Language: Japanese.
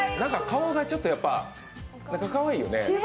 顔がちょっと、かわいいよね。